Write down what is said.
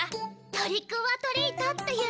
「トリックオアトリート」って言うのよね。